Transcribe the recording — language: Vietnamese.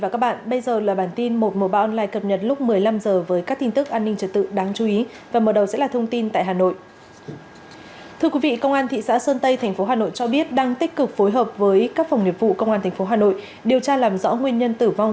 các bạn hãy đăng ký kênh để ủng hộ kênh của chúng mình nhé